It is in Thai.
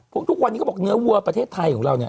ทุกวันนี้เขาบอกเนื้อวัวประเทศไทยของเราเนี่ย